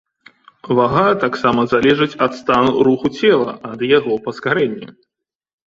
Вага таксама залежыць ад стану руху цела ад яго паскарэння.